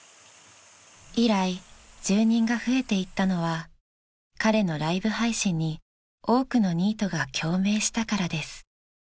［以来住人が増えていったのは彼のライブ配信に多くのニートが共鳴したからです］